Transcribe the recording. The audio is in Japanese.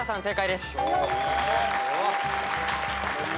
正解です。